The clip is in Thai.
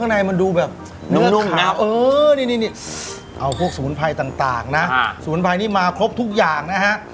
ในสมุนไพต่างนะสมุนไพนี้มาครบทุกอย่างนะฮะ